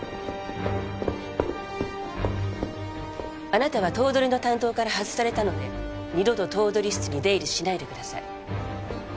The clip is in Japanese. あなたは頭取の担当から外されたので二度と頭取室に出入りしないでください。